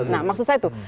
nah maksud saya itu